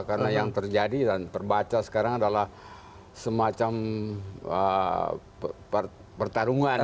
karena yang terjadi dan perbaca sekarang adalah semacam pertarungan